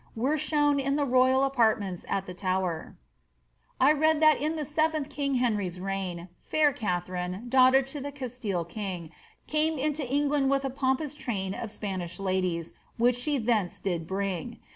were shown in the royal apartments at the Tower :^>* I read that in the 7th King Henry^s reign Fair Katharine, daughter to the Castille king, Came into England with a pompous train Of Spanish ladies, which she thence did bring.